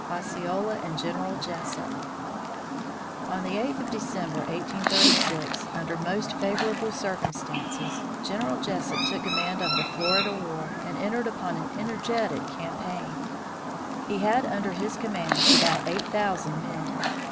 X. OSCEOLA AND GENERAL JESUP On the eighth of December 1836, under most favorable circumstances, General Jesup took command of the Florida War and entered upon an energetic campaign. He had under his command about eight thousand men.